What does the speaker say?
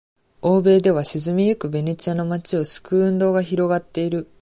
欧米では、沈みゆくベネチアの町を救う運動が広がっている。